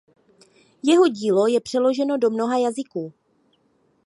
Jeho dílo je přeloženo do mnoha jazyků.